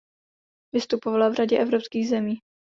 Vystupovala v řadě evropských zemí.